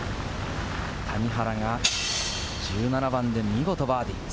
谷原が１７番で見事バーディー。